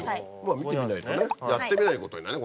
やってみないことにはね。